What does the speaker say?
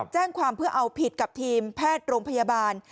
แจ้งความเพื่อเอาผิดกับทีมแพทย์โรงพยาบาล